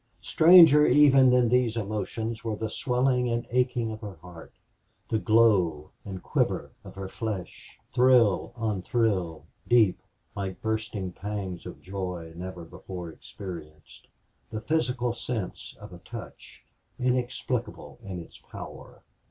Stranger even than these emotions were the swelling and aching of her heart, the glow and quiver of her flesh, thrill on thrill, deep, like bursting pages of joy never before experienced, the physical sense of a touch, inexplicable in its power.